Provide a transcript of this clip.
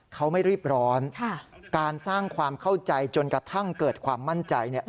เขาไม่รีบร้อนการสร้างความเข้าใจจนกระทั่งเกิดความมั่นใจ